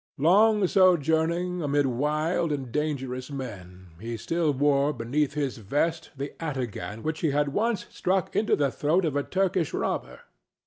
Long sojourning amid wild and dangerous men, he still wore beneath his vest the ataghan which he had once struck into the throat of a Turkish robber.